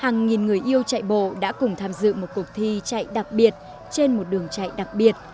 hàng nghìn người yêu chạy bộ đã cùng tham dự một cuộc thi chạy đặc biệt trên một đường chạy đặc biệt